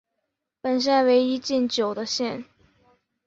本县为一禁酒的县。